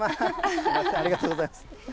すみません、ありがとうございます。